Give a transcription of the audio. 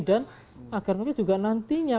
dan agar mungkin juga nantinya